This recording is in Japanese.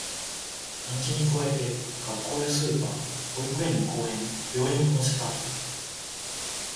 団地に加えて、学校やスーパー、保育園に公園、病院も乗せた